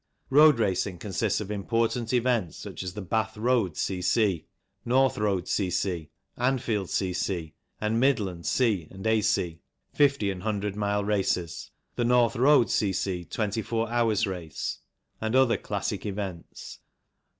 Road racing consists of important events such as the Bath Road C.C., North Road C.C., Anfield C.C., and Midland C. and A.C. fifty and hundred mile races ; the North Road C.C. 24 hours race ; and other classic events.